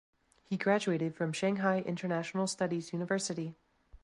He graduated from Shanghai International Studies University.